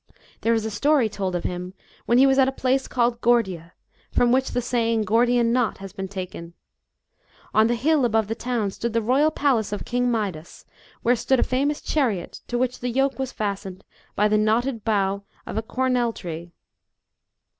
There is a story told of him, when he was at a place called Gordia, from which the saying "Gordiaii knot" has been taken. On the hill above the town, stood the royal palace of King Midas, where stood a famous chariot to which the yoke was fastened by the knotted boagh of a cornel tree.